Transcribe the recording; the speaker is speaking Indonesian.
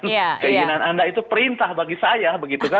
keinginan anda itu perintah bagi saya begitu kan